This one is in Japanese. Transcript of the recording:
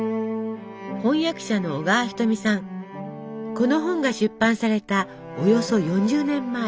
この本が出版されたおよそ４０年前。